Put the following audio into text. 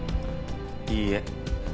いいえ。